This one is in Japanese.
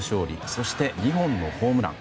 そして２本のホームラン。